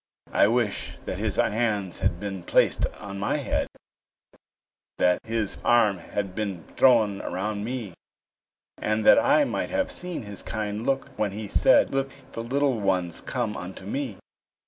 I wish that His hands had been placed on my head, That His arm had been thrown around me, And that I might have seen His kind look when He said, "Let the little ones come unto me."